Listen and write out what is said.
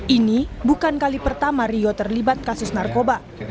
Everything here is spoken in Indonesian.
ini bukan kali pertama rio terlibat kasus narkoba